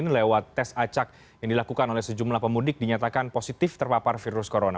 lewat tes acak yang dilakukan oleh sejumlah pemudik dinyatakan positif terpapar virus corona